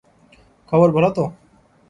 খবর ভাল তো?